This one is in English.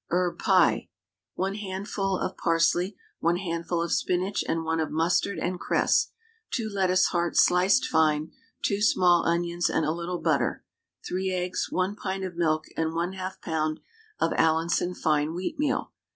HERB PIE. 1 handful of parsley, 1 handful of spinach, and 1 of mustard and cress, 2 lettuce hearts sliced fine, 2 small onions, and a little butter, 3 eggs, 1 pint of milk, and 1/2 lb. of Allinson fine wheatmeal.